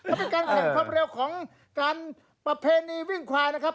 ก็เป็นการแข่งความเร็วของการประเพณีวิ่งควายนะครับ